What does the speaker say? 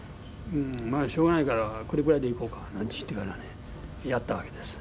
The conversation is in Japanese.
「まあしょうがないからこれくらいでいこうか」なんて言ってからねやったわけです。